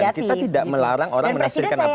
kita tidak melarang orang menafsirkan apapun